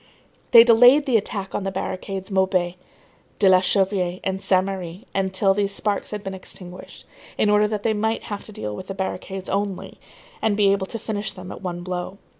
They delayed the attack on the barricades Maubuée, de la Chanvrerie and Saint Merry until these sparks had been extinguished, in order that they might have to deal with the barricades only and be able to finish them at one blow.